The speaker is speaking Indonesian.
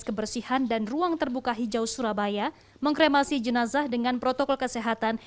kebersihan dan ruang terbuka hijau surabaya mengkremasi jenazah dengan protokol kesehatan